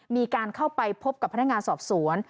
มีการเข้าไปพบกับพนักงานสอบสวน